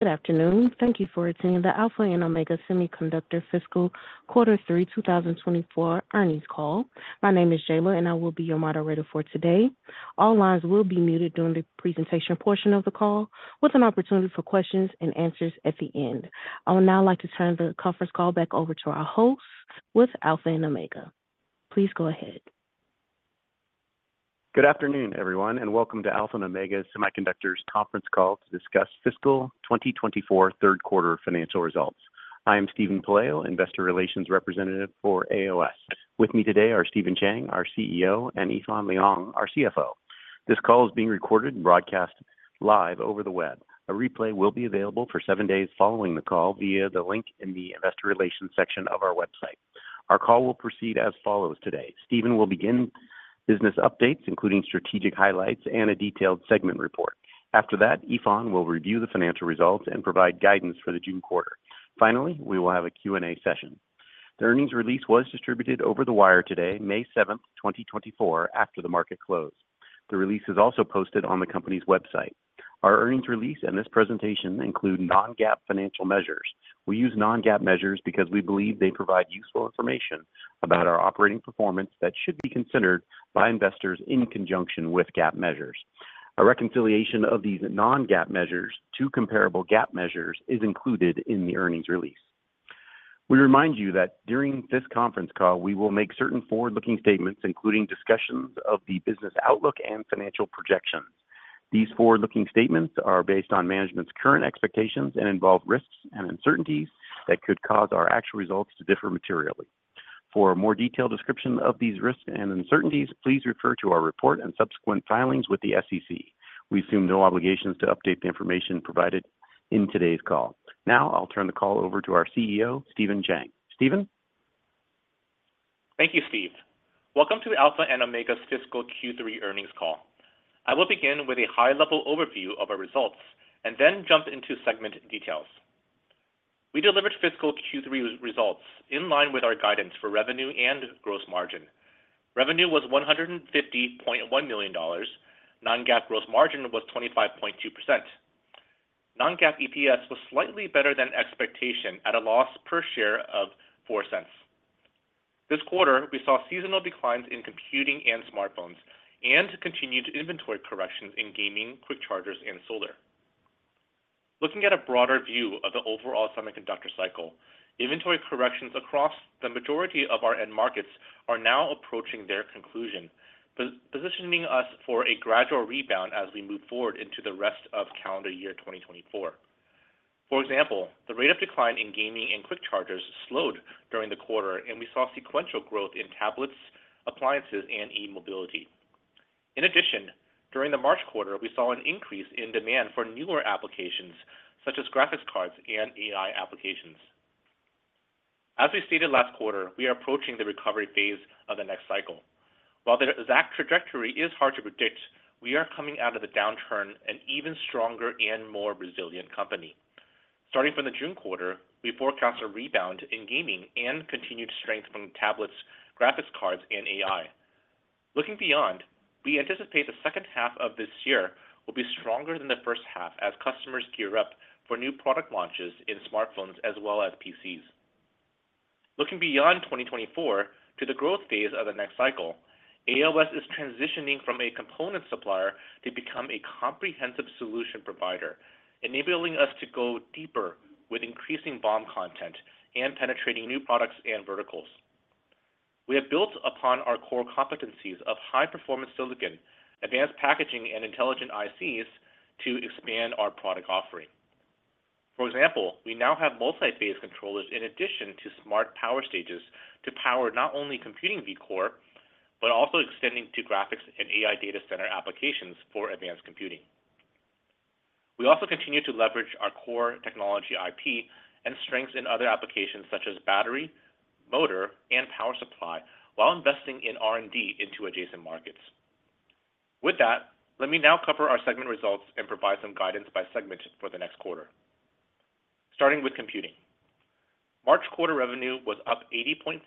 Good afternoon. Thank you for attending the Alpha and Omega Semiconductor Fiscal Quarter Three, 2024, Earnings Call. My name is Jayla, and I will be your moderator for today. All lines will be muted during the presentation portion of the call, with an opportunity for questions and answers at the end. I would now like to turn the conference call back over to our hosts with Alpha and Omega. Please go ahead. Good afternoon, everyone, and welcome to Alpha and Omega Semiconductor's conference call to discuss fiscal 2024 third quarter financial results. I am Steven Pelayo, Investor Relations Representative for AOS. With me today are Stephen Chang, our CEO, and Yifan Liang, our CFO. This call is being recorded and broadcast live over the web. A replay will be available for seven days following the call via the link in the Investor Relations section of our website. Our call will proceed as follows today. Stephen will begin business updates, including strategic highlights and a detailed segment report. After that, Yifan will review the financial results and provide guidance for the June quarter. Finally, we will have a Q&A session. The earnings release was distributed over the wire today, May 7, 2024, after the market closed. The release is also posted on the company's website. Our earnings release and this presentation include non-GAAP financial measures. We use non-GAAP measures because we believe they provide useful information about our operating performance that should be considered by investors in conjunction with GAAP measures. A reconciliation of these non-GAAP measures to comparable GAAP measures is included in the earnings release. We remind you that during this conference call, we will make certain forward-looking statements, including discussions of the business outlook and financial projections. These forward-looking statements are based on management's current expectations and involve risks and uncertainties that could cause our actual results to differ materially. For a more detailed description of these risks and uncertainties, please refer to our report and subsequent filings with the SEC. We assume no obligations to update the information provided in today's call. Now I'll turn the call over to our CEO, Stephen Chang. Stephen? Thank you, Steve. Welcome to the Alpha and Omega Semiconductor's fiscal Q3 earnings call. I will begin with a high-level overview of our results and then jump into segment details. We delivered fiscal Q3 results in line with our guidance for revenue and gross margin. Revenue was $150.1 million. Non-GAAP gross margin was 25.2%. Non-GAAP EPS was slightly better than expectation at a loss per share of 0.04. This quarter, we saw seasonal declines in computing and smartphones and continued inventory corrections in gaming, quick chargers, and solar. Looking at a broader view of the overall semiconductor cycle, inventory corrections across the majority of our end markets are now approaching their conclusion, positioning us for a gradual rebound as we move forward into the rest of calendar year 2024. For example, the rate of decline in gaming and quick chargers slowed during the quarter, and we saw sequential growth in tablets, appliances, and e-mobility. In addition, during the March quarter, we saw an increase in demand for newer applications such as graphics cards and AI applications. As we stated last quarter, we are approaching the recovery phase of the next cycle. While the exact trajectory is hard to predict, we are coming out of the downturn an even stronger and more resilient company. Starting from the June quarter, we forecast a rebound in gaming and continued strength from tablets, graphics cards, and AI. Looking beyond, we anticipate the second half of this year will be stronger than the first half as customers gear up for new product launches in smartphones as well as PCs. Looking beyond 2024 to the growth phase of the next cycle, AOS is transitioning from a component supplier to become a comprehensive solution provider, enabling us to go deeper with increasing BOM content and penetrating new products and verticals. We have built upon our core competencies of high-performance silicon, advanced packaging, and intelligent ICs to expand our product offering. For example, we now have multi-phase controllers in addition to smart power stages to power not only computing Vcore but also extending to graphics and AI data center applications for advanced computing. We also continue to leverage our core technology IP and strengths in other applications such as battery, motor, and power supply while investing in R&D into adjacent markets. With that, let me now cover our segment results and provide some guidance by segment for the next quarter. Starting with computing, March quarter revenue was up 80.4%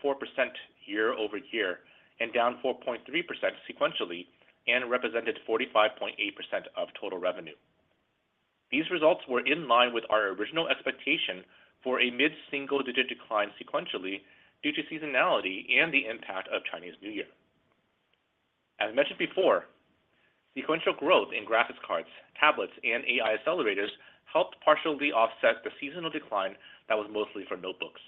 year-over-year and down 4.3% sequentially and represented 45.8% of total revenue. These results were in line with our original expectation for a mid-single-digit decline sequentially due to seasonality and the impact of Chinese New Year. As mentioned before, sequential growth in graphics cards, tablets, and AI accelerators helped partially offset the seasonal decline that was mostly for notebooks.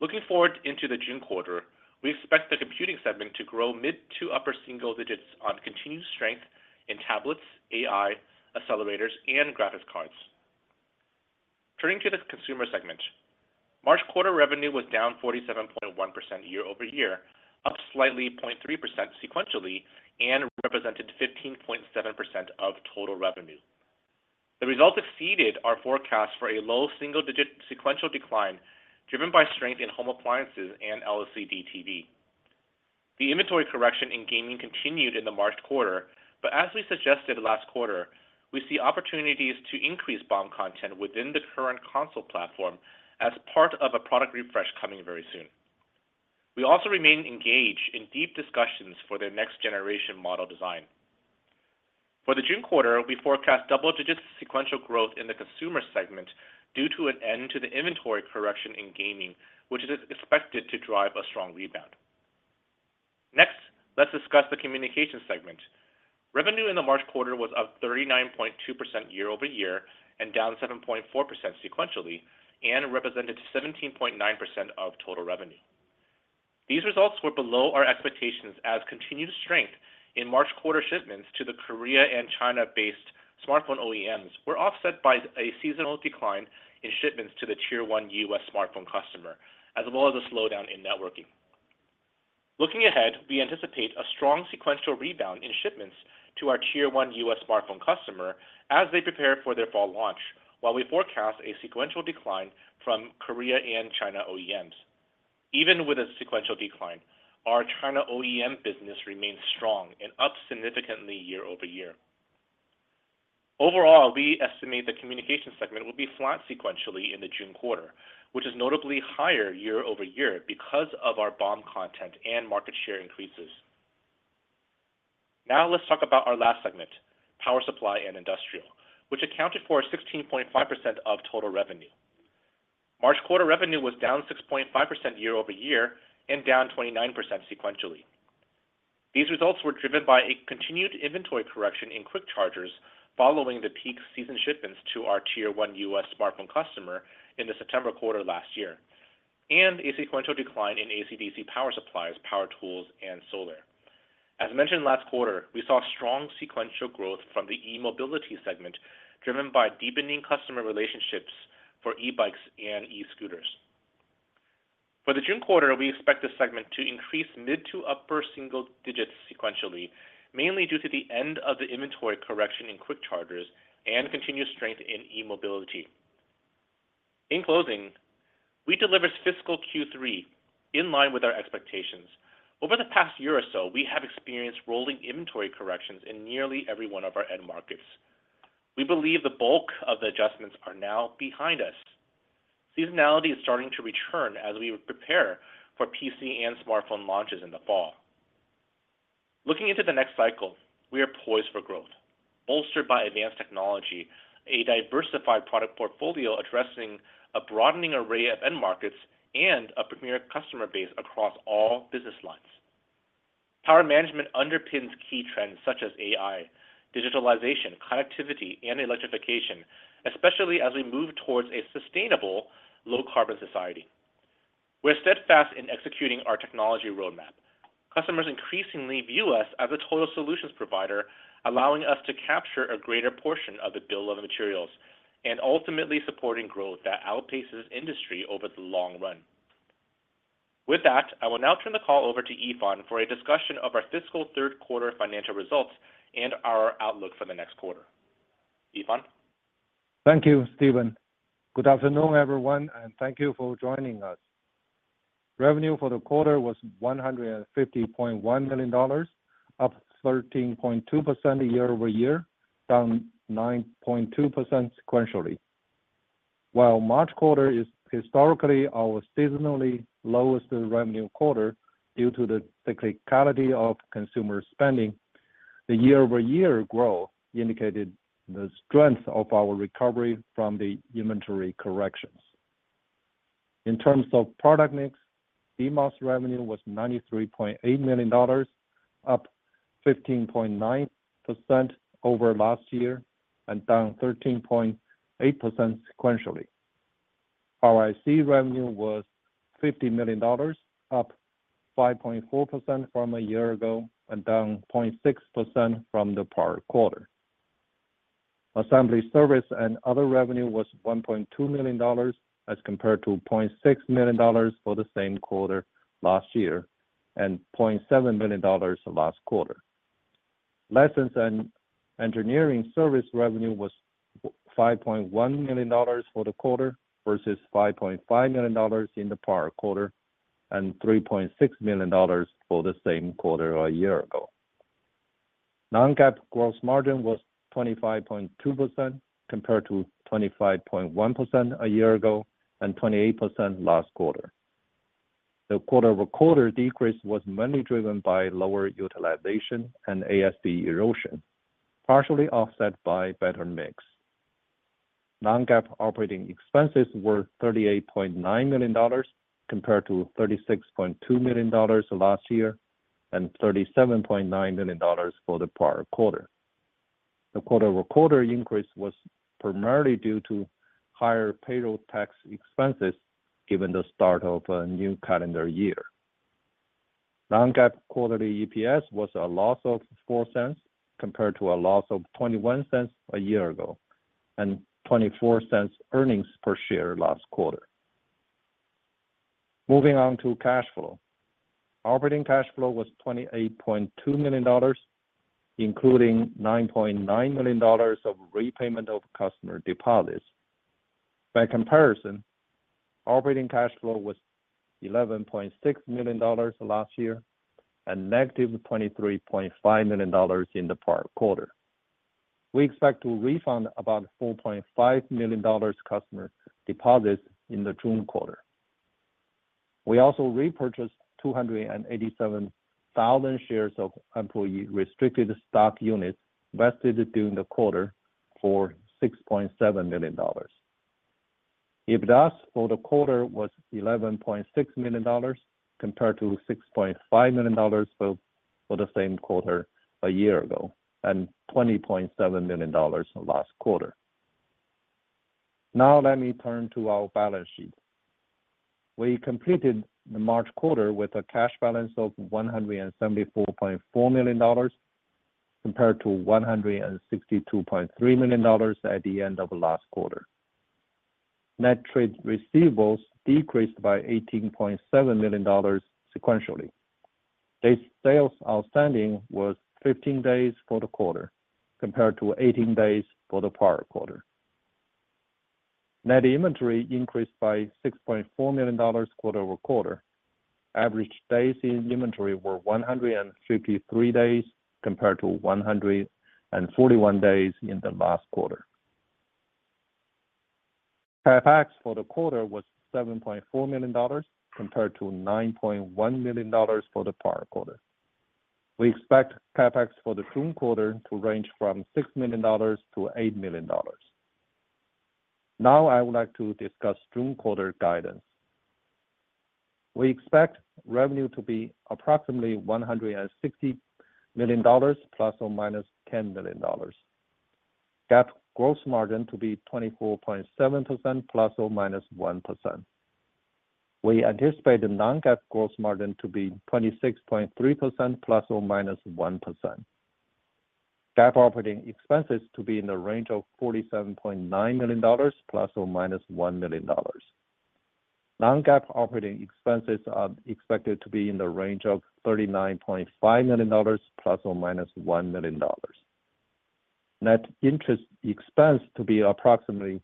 Looking forward into the June quarter, we expect the Computing segment to grow mid to upper single digits on continued strength in tablets, AI accelerators, and graphics cards. Turning to the Consumer segment, March quarter revenue was down 47.1% year-over-year, up slightly 0.3% sequentially, and represented 15.7% of total revenue. The results exceeded our forecast for a low single-digit sequential decline driven by strength in home appliances and LCD TV. The inventory correction in gaming continued in the March quarter, but as we suggested last quarter, we see opportunities to increase BOM content within the current console platform as part of a product refresh coming very soon. We also remain engaged in deep discussions for their next-generation model design. For the June quarter, we forecast double-digit sequential growth in the Consumer segment due to an end to the inventory correction in gaming, which is expected to drive a strong rebound. Next, let's discuss the Communications segment. Revenue in the March quarter was up 39.2% year-over-year and down 7.4% sequentially and represented 17.9% of total revenue. These results were below our expectations as continued strength in March quarter shipments to the Korea and China-based smartphone OEMs were offset by a seasonal decline in shipments to the Tier 1 U.S. smartphone customer, as well as a slowdown in networking. Looking ahead, we anticipate a strong sequential rebound in shipments to our Tier 1 U.S. smartphone customer as they prepare for their fall launch, while we forecast a sequential decline from Korea and China OEMs. Even with a sequential decline, our China OEM business remains strong and up significantly year-over-year. Overall, we estimate the Communications segment will be flat sequentially in the June quarter, which is notably higher year-over-year because of our BOM content and market share increases. Now let's talk about our last segment, Power Supply and Industrial, which accounted for 16.5% of total revenue. March quarter revenue was down 6.5% year-over-year and down 29% sequentially. These results were driven by a continued inventory correction in quick chargers following the peak season shipments to our Tier 1 U.S. smartphone customer in the September quarter last year and a sequential decline in AC/DC power supplies, power tools, and solar. As mentioned last quarter, we saw strong sequential growth from the E-mobility segment driven by deepening customer relationships for e-bikes and e-scooters. For the June quarter, we expect this segment to increase mid to upper single digits sequentially, mainly due to the end of the inventory correction in quick chargers and continued strength in e-mobility. In closing, we delivered fiscal Q3 in line with our expectations. Over the past year or so, we have experienced rolling inventory corrections in nearly every one of our end markets. We believe the bulk of the adjustments are now behind us. Seasonality is starting to return as we prepare for PC and smartphone launches in the fall. Looking into the next cycle, we are poised for growth, bolstered by advanced technology, a diversified product portfolio addressing a broadening array of end markets, and a premier customer base across all business lines. Power management underpins key trends such as AI, digitalization, connectivity, and electrification, especially as we move towards a sustainable, low-carbon society. We're steadfast in executing our technology roadmap. Customers increasingly view us as a total solutions provider, allowing us to capture a greater portion of the bill of materials and ultimately supporting growth that outpaces industry over the long run. With that, I will now turn the call over to Yifan for a discussion of our fiscal third quarter financial results and our outlook for the next quarter. Yifan? Thank you, Stephen. Good afternoon, everyone, and thank you for joining us. Revenue for the quarter was $150.1 million, up 13.2% year-over-year, down 9.2% sequentially. While March quarter is historically our seasonally lowest revenue quarter due to the cyclicality of consumer spending, the year-over-year growth indicated the strength of our recovery from the inventory corrections. In terms of product mix, DMOS revenue was $93.8 million, up 15.9% over last year and down 13.8% sequentially. Power IC revenue was $50 million, up 5.4% from a year ago and down 0.6% from the prior quarter. Assembly service and other revenue was $1.2 million as compared to $0.6 million for the same quarter last year and $0.7 million last quarter. License and engineering service revenue was $5.1 million for the quarter versus $5.5 million in the prior quarter and $3.6 million for the same quarter a year ago. Non-GAAP gross margin was 25.2% compared to 25.1% a year ago and 28% last quarter. The quarter-over-quarter decrease was mainly driven by lower utilization and ASP erosion, partially offset by better mix. Non-GAAP operating expenses were $38.9 million compared to $36.2 million last year and $37.9 million for the prior quarter. The quarter-over-quarter increase was primarily due to higher payroll tax expenses given the start of a new calendar year. Non-GAAP quarterly EPS was a loss of 0.04 compared to a loss of 0.21 a year ago and 0.24 earnings per share last quarter. Moving on to cash flow, operating cash flow was $28.2 million, including $9.9 million of repayment of customer deposits. By comparison, operating cash flow was $11.6 million last year and $-23.5 million in the prior quarter. We expect to refund about $4.5 million customer deposits in the June quarter. We also repurchased 287,000 shares of employee-restricted stock units vested during the quarter for $6.7 million. EBITDA for the quarter was $11.6 million compared to $6.5 million for the same quarter a year ago and $20.7 million last quarter. Now let me turn to our balance sheet. We completed the March quarter with a cash balance of $174.4 million compared to $162.3 million at the end of last quarter. Net trade receivables decreased by $18.7 million sequentially. Days sales outstanding was 15 days for the quarter compared to 18 days for the prior quarter. Net inventory increased by $6.4 million quarter-over-quarter. Average days in inventory were 153 days compared to 141 days in the last quarter. CapEx for the quarter was $7.4 million compared to $9.1 million for the prior quarter. We expect CapEx for the June quarter to range from $6 million-$8 million. Now I would like to discuss June quarter guidance. We expect revenue to be approximately $160 million ± $10 million, GAAP gross margin to be 24.7% ± 1%. We anticipate the non-GAAP gross margin to be 26.3% ± 1%, GAAP operating expenses to be in the range of $47.9 million ± $1 million. Non-GAAP operating expenses are expected to be in the range of $39.5 million ± $1 million. Net interest expense to be approximately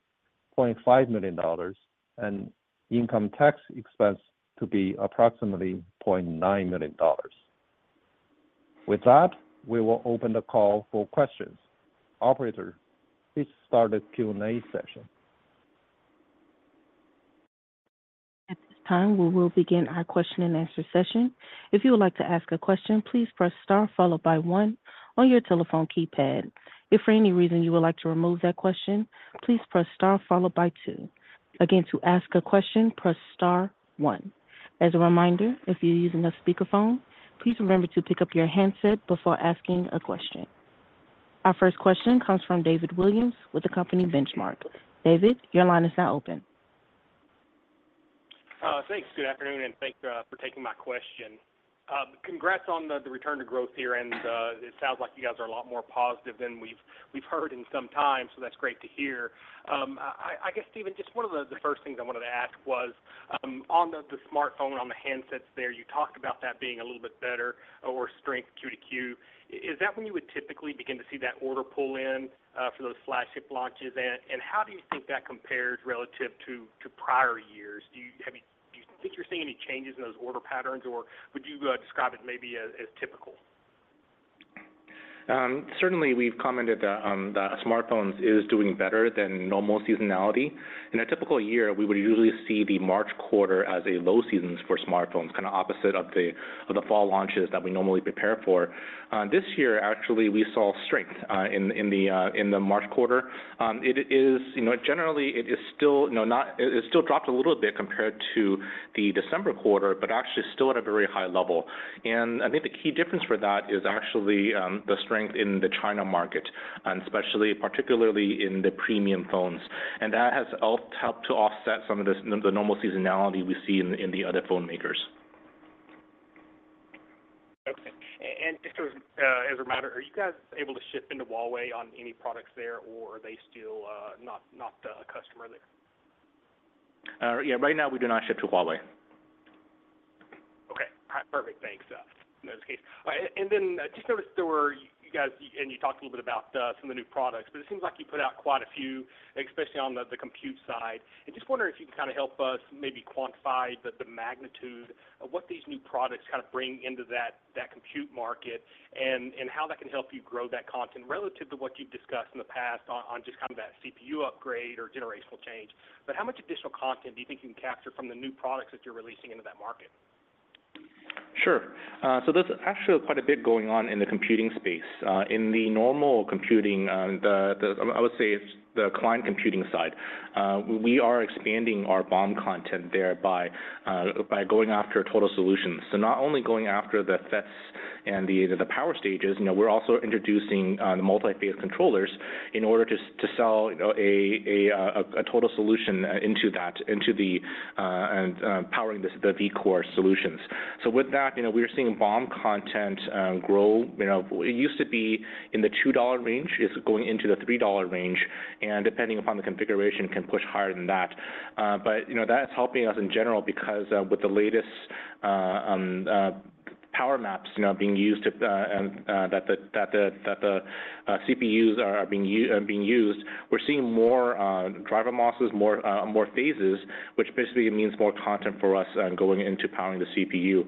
$0.5 million and income tax expense to be approximately $0.9 million. With that, we will open the call for questions. Operator, please start the Q&A session. At this time, we will begin our question-and-answer session. If you would like to ask a question, please press star followed by one on your telephone keypad. If for any reason you would like to remove that question, please press star followed by two. Again, to ask a question, press star one. As a reminder, if you're using a speakerphone, please remember to pick up your handset before asking a question. Our first question comes from David Williams with the company Benchmark. David, your line is now open. Thanks. Good afternoon, and thanks for taking my question. Congrats on the return to growth here, and it sounds like you guys are a lot more positive than we've heard in some time, so that's great to hear. I guess, Stephen, just one of the first things I wanted to ask was, on the smartphone, on the handsets there, you talked about that being a little bit better or strength Q-to-Q. Is that when you would typically begin to see that order pull in for those flagship launches? And how do you think that compares relative to prior years? Do you think you're seeing any changes in those order patterns, or would you describe it maybe as typical? Certainly, we've commented that smartphones are doing better than normal seasonality. In a typical year, we would usually see the March quarter as a low season for smartphones, kind of opposite of the fall launches that we normally prepare for. This year, actually, we saw strength in the March quarter. Generally, it is still dropped a little bit compared to the December quarter, but actually still at a very high level. And I think the key difference for that is actually the strength in the China market, particularly in the premium phones. And that has helped to offset some of the normal seasonality we see in the other phone makers. Okay. And just as a matter, are you guys able to ship into Huawei on any products there, or are they still not a customer there? Yeah. Right now, we do not ship to Huawei. Okay. Perfect. Thanks. Notice case. And then I just noticed that you guys, and you talked a little bit about some of the new products, but it seems like you put out quite a few, especially on the compute side. And just wondering if you can kind of help us maybe quantify the magnitude of what these new products kind of bring into that compute market and how that can help you grow that content relative to what you've discussed in the past on just kind of that CPU upgrade or generational change. But how much additional content do you think you can capture from the new products that you're releasing into that market? Sure. So there's actually quite a bit going on in the computing space. In the normal computing, I would say it's the client computing side. We are expanding our BOM content there by going after total solutions. So not only going after the FETs and the power stages, we're also introducing the multi-phase controllers in order to sell a total solution into that and powering the Vcore solutions. So with that, we're seeing BOM content grow. It used to be in the $2 range. It's going into the $3 range, and depending upon the configuration, it can push higher than that. But that's helping us in general because with the latest power maps being used and that the CPUs are being used, we're seeing more driver MOSFETs, more phases, which basically means more content for us going into powering the CPU.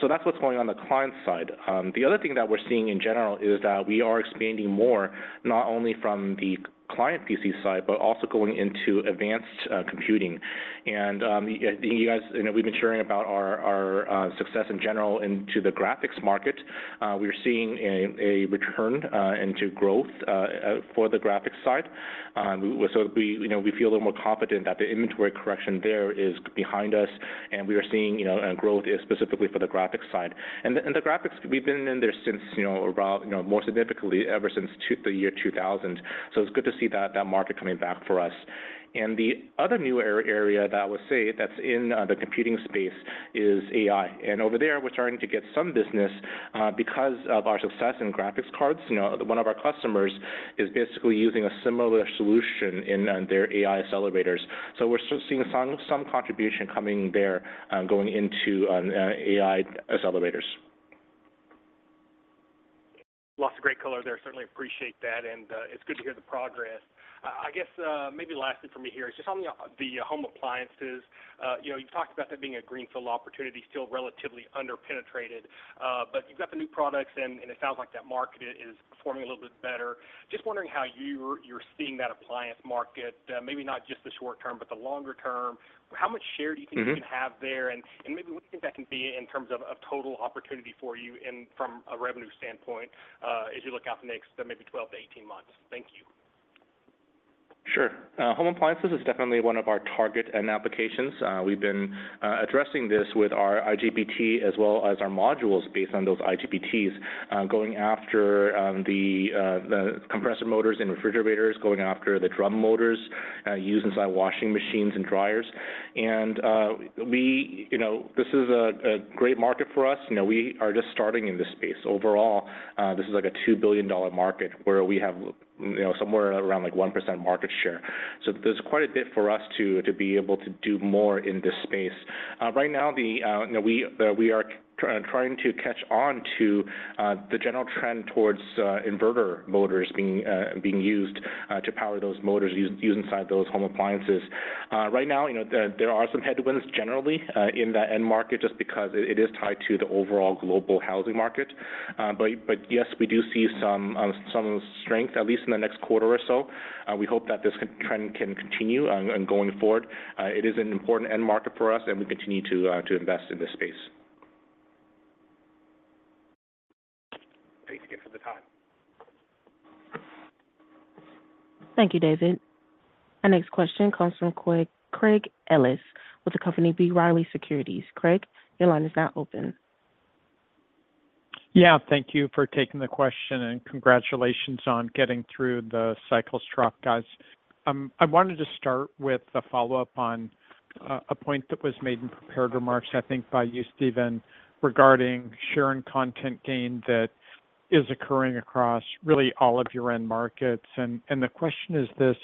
So that's what's going on the client side. The other thing that we're seeing in general is that we are expanding more not only from the client PC side but also going into advanced computing. And I think you guys, we've been sharing about our success in general into the graphics market. We're seeing a return into growth for the graphics side. So we feel a little more confident that the inventory correction there is behind us, and we are seeing growth specifically for the graphics side. And the graphics, we've been in there since more significantly ever since the year 2000. So it's good to see that market coming back for us. And the other new area that I would say that's in the computing space is AI. And over there, we're starting to get some business because of our success in graphics cards. One of our customers is basically using a similar solution in their AI accelerators. So we're seeing some contribution coming there going into AI accelerators. Lots of great color there. Certainly appreciate that, and it's good to hear the progress. I guess maybe lastly from me here is just on the home appliances. You've talked about that being a greenfield opportunity, still relatively underpenetrated. But you've got the new products, and it sounds like that market is performing a little bit better. Just wondering how you're seeing that appliance market, maybe not just the short term but the longer term. How much share do you think you can have there? And maybe what do you think that can be in terms of total opportunity for you from a revenue standpoint as you look out for the next maybe 12-18 months? Thank you. Sure. Home appliances is definitely one of our target and applications. We've been addressing this with our IGBT as well as our modules based on those IGBTs, going after the compressor motors in refrigerators, going after the drum motors used inside washing machines and dryers. And this is a great market for us. We are just starting in this space. Overall, this is like a $2 billion market where we have somewhere around 1% market share. So there's quite a bit for us to be able to do more in this space. Right now, we are trying to catch on to the general trend towards inverter motors being used to power those motors used inside those home appliances. Right now, there are some headwinds generally in that end market just because it is tied to the overall global housing market. But yes, we do see some strength, at least in the next quarter or so. We hope that this trend can continue going forward. It is an important end market for us, and we continue to invest in this space. Thanks again for the time. Thank you, David. Our next question comes from Craig Ellis with the company B. Riley Securities. Craig, your line is now open. Yeah. Thank you for taking the question, and congratulations on getting through the cycle's trough, guys. I wanted to start with a follow-up on a point that was made in prepared remarks, I think, by you, Stephen, regarding share and content gain that is occurring across really all of your end markets. And the question is this: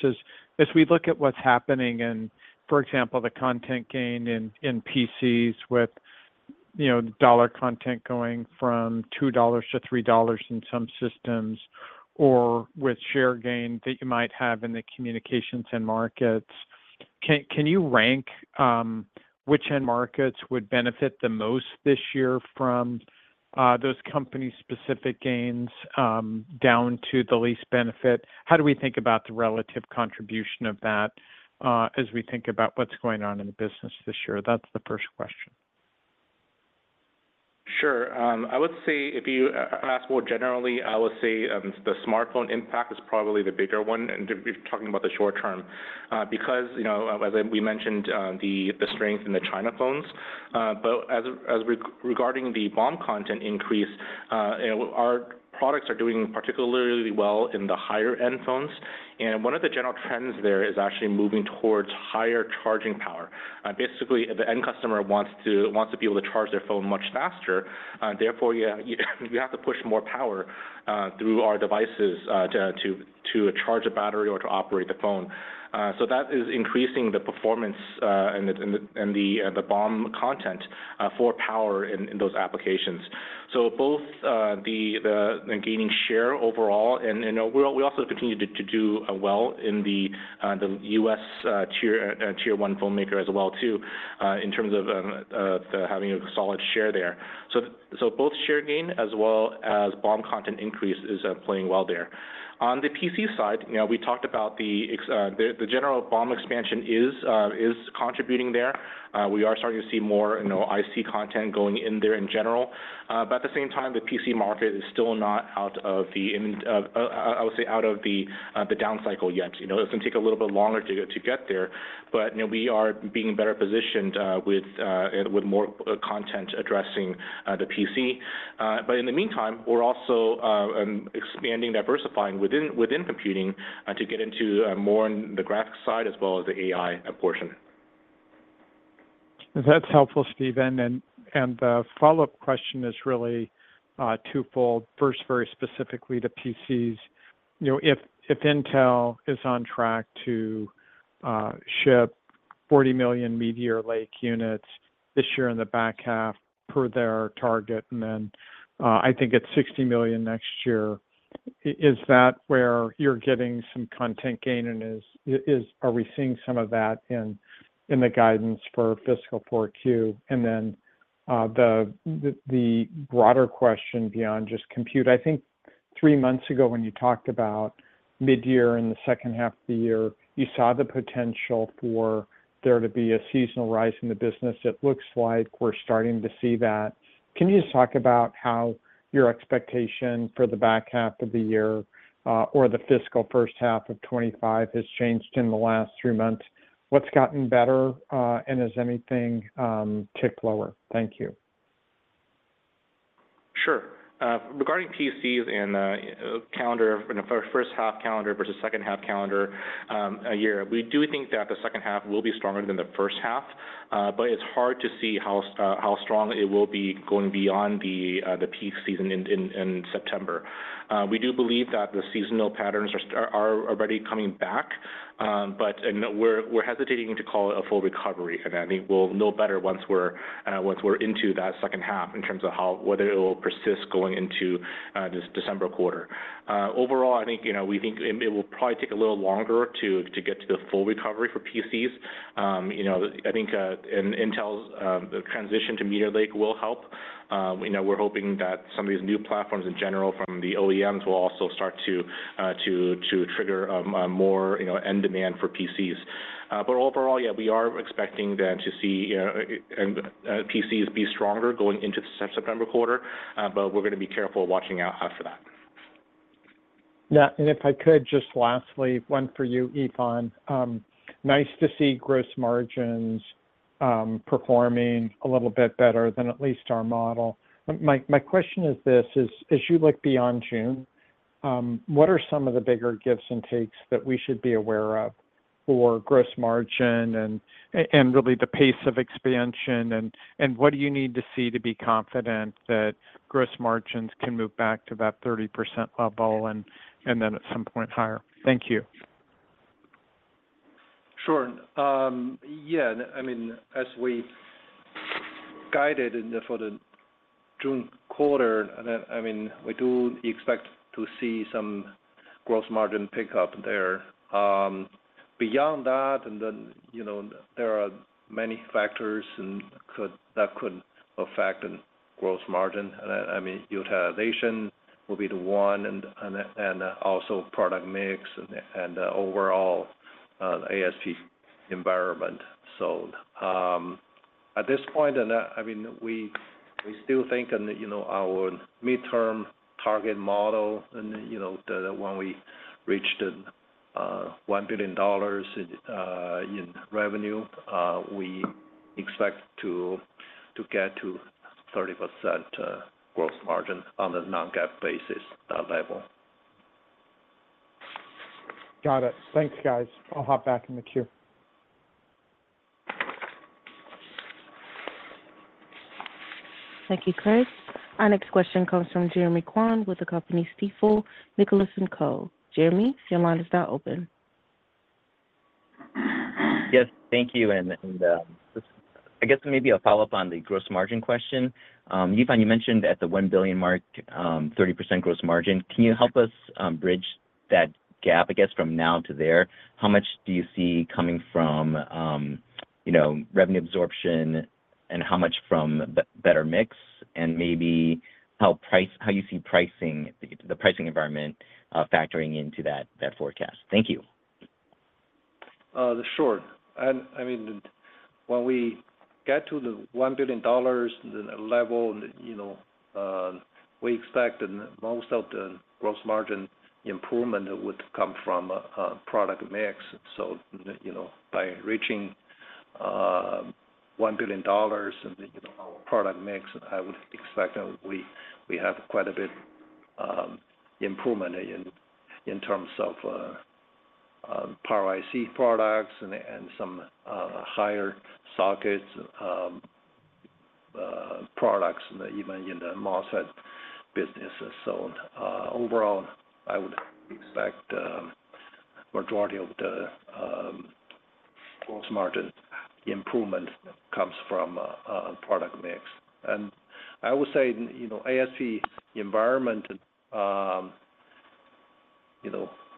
as we look at what's happening in, for example, the content gain in PCs with dollar content going from $2-$3 in some systems or with share gain that you might have in the communications end markets, can you rank which end markets would benefit the most this year from those company-specific gains down to the least benefit? How do we think about the relative contribution of that as we think about what's going on in the business this year? That's the first question. Sure. I would say if you ask more generally, I would say the smartphone impact is probably the bigger one if you're talking about the short term because, as we mentioned, the strength in the China phones. But regarding the BOM content increase, our products are doing particularly well in the higher-end phones. And one of the general trends there is actually moving towards higher charging power. Basically, the end customer wants to be able to charge their phone much faster. Therefore, you have to push more power through our devices to charge a battery or to operate the phone. So that is increasing the performance and the BOM content for power in those applications. So both the gaining share overall, and we also continue to do well in the U.S. Tier 1 phone maker as well too in terms of having a solid share there. So both share gain as well as BOM content increase is playing well there. On the PC side, we talked about the general BOM expansion is contributing there. We are starting to see more IC content going in there in general. But at the same time, the PC market is still not, I would say, out of the down cycle yet. It's going to take a little bit longer to get there, but we are being better positioned with more content addressing the PC. But in the meantime, we're also expanding, diversifying within computing to get into more in the graphics side as well as the AI portion. That's helpful, Stephen. The follow-up question is really twofold. First, very specifically to PCs, if Intel is on track to ship 40 million Meteor Lake units this year in the back half per their target, and then I think it's 60 million next year, is that where you're getting some content gain? And are we seeing some of that in the guidance for fiscal 4Q? Then the broader question beyond just compute, I think three months ago when you talked about midyear in the second half of the year, you saw the potential for there to be a seasonal rise in the business. It looks like we're starting to see that. Can you just talk about how your expectation for the back half of the year or the fiscal first half of 2025 has changed in the last three months? What's gotten better, and has anything ticked lower? Thank you. Sure. Regarding PCs and the calendar, first-half calendar versus second-half calendar year, we do think that the second half will be stronger than the first half, but it's hard to see how strong it will be going beyond the peak season in September. We do believe that the seasonal patterns are already coming back, but we're hesitating to call it a full recovery. I think we'll know better once we're into that second half in terms of whether it will persist going into this December quarter. Overall, I think we think it will probably take a little longer to get to the full recovery for PCs. I think Intel's transition to Meteor Lake will help. We're hoping that some of these new platforms in general from the OEMs will also start to trigger more end demand for PCs. But overall, yeah, we are expecting then to see PCs be stronger going into the September quarter, but we're going to be careful watching out after that. Yeah. And if I could, just lastly, one for you, Yifan. Nice to see gross margins performing a little bit better than at least our model. My question is this: as you look beyond June, what are some of the bigger gives and takes that we should be aware of for gross margin and really the pace of expansion? And what do you need to see to be confident that gross margins can move back to that 30% level and then at some point higher? Thank you. Sure. Yeah. I mean, as we guided for the June quarter, I mean, we do expect to see some gross margin pickup there. Beyond that, and then there are many factors that could affect gross margin. And I mean, utilization will be the one and also product mix and overall ASP environment. So at this point, I mean, we still think in our midterm target model, and when we reach the $1 billion in revenue, we expect to get to 30% gross margin on a non-GAAP basis, that level. Got it. Thanks, guys. I'll hop back in the queue. Thank you, Craig. Our next question comes from Jeremy Kwan with the company Stifel, Nicolaus & Co. Jeremy, your line is now open. Yes. Thank you. I guess maybe a follow-up on the gross margin question. Yifan, you mentioned at the $1 billion mark, 30% gross margin. Can you help us bridge that gap, I guess, from now to there? How much do you see coming from revenue absorption and how much from better mix? And maybe how you see the pricing environment factoring into that forecast? Thank you. Sure. I mean, when we get to the $1 billion level, we expect most of the gross margin improvement would come from product mix. So by reaching $1 billion and our product mix, I would expect we have quite a bit improvement in terms of Power IC products and some higher socket products even in the MOSFET business. So overall, I would expect the majority of the gross margin improvement comes from product mix. And I would say ASP environment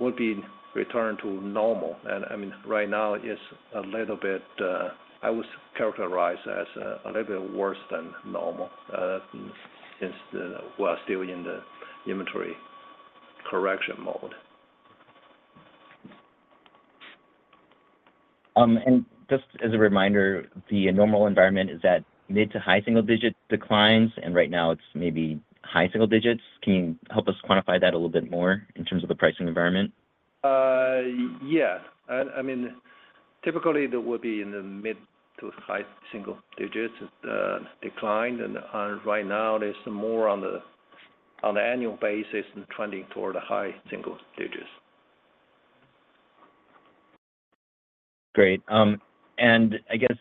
would be returned to normal. And I mean, right now, it's a little bit I would characterize as a little bit worse than normal since we're still in the inventory correction mode. Just as a reminder, the normal environment is that mid- to high single-digit declines, and right now, it's maybe high single digits. Can you help us quantify that a little bit more in terms of the pricing environment? Yeah. I mean, typically, it would be in the mid to high single digits declined. Right now, it's more on the annual basis and trending toward the high single digits. Great. And I guess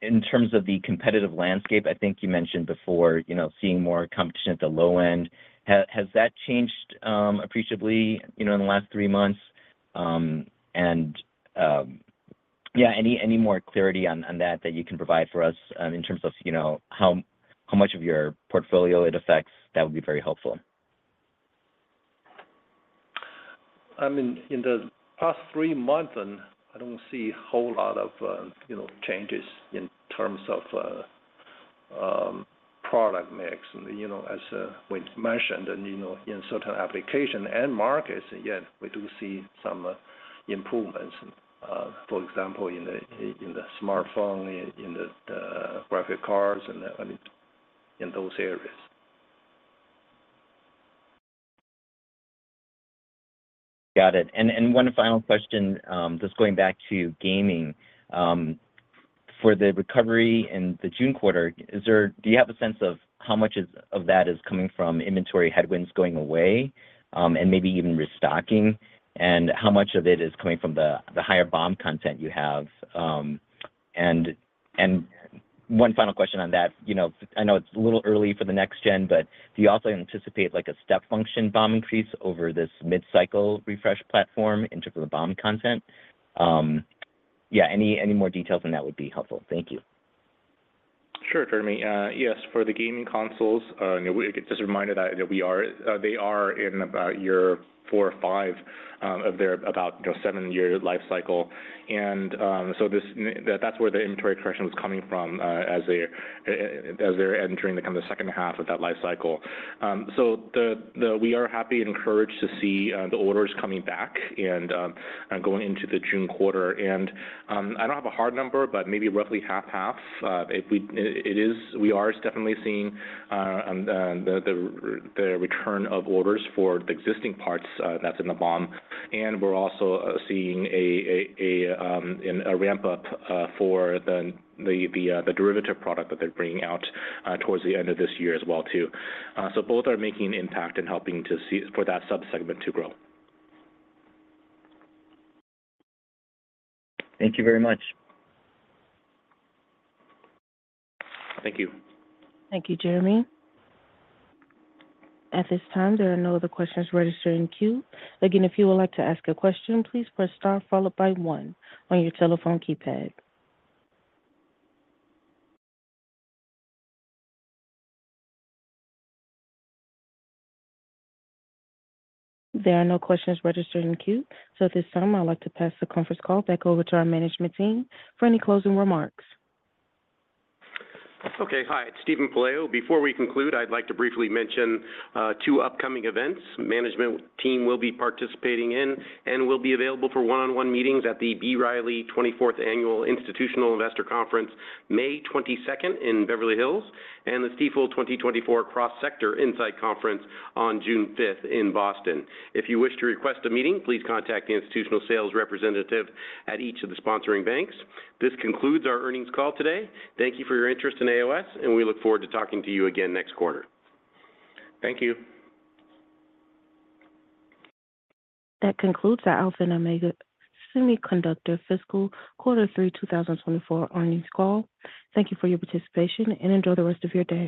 in terms of the competitive landscape, I think you mentioned before seeing more competition at the low end. Has that changed appreciably in the last three months? And yeah, any more clarity on that that you can provide for us in terms of how much of your portfolio it affects, that would be very helpful. I mean, in the past three months, I don't see a whole lot of changes in terms of product mix. As we mentioned, in certain applications and markets, yet, we do see some improvements, for example, in the smartphone, in the graphics cards, and in those areas. Got it. And one final question, just going back to gaming. For the recovery in the June quarter, do you have a sense of how much of that is coming from inventory headwinds going away and maybe even restocking? And how much of it is coming from the higher BOM content you have? And one final question on that. I know it's a little early for the next gen, but do you also anticipate a step function BOM increase over this mid-cycle refresh platform in terms of the BOM content? Yeah, any more details on that would be helpful. Thank you. Sure, Jeremy. Yes. For the gaming consoles, just a reminder that they are in about year four or five of their about seven-year lifecycle. So that's where the inventory correction was coming from as they're entering kind of the second half of that lifecycle. We are happy and encouraged to see the orders coming back and going into the June quarter. I don't have a hard number, but maybe roughly 50/50. We are definitely seeing the return of orders for the existing parts that's in the BOM. We're also seeing a ramp-up for the derivative product that they're bringing out towards the end of this year as well too. So both are making an impact and helping for that subsegment to grow. Thank you very much. Thank you. Thank you, Jeremy. At this time, there are no other questions registered in queue. Again, if you would like to ask a question, please press star, followed by one on your telephone keypad. There are no questions registered in queue. At this time, I'd like to pass the conference call back over to our management team for any closing remarks. Okay. Hi, it's Steven Pelayo. Before we conclude, I'd like to briefly mention two upcoming events management team will be participating in and will be available for one-on-one meetings at the B. Riley 24th Annual Institutional Investor Conference, May 22nd in Beverly Hills, and the Stifel 2024 Cross-Sector Insight Conference on June 5th in Boston. If you wish to request a meeting, please contact the institutional sales representative at each of the sponsoring banks. This concludes our earnings call today. Thank you for your interest in AOS, and we look forward to talking to you again next quarter. Thank you. That concludes our Alpha and Omega Semiconductor Fiscal Quarter 3, 2024 earnings call. Thank you for your participation and enjoy the rest of your day.